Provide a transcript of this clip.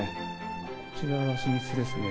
こちらは寝室ですね。